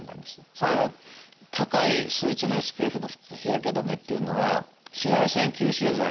それは高い数値のＳＰＦの日焼け止めっていうのは紫外線吸収剤の種類と量が多いんですね。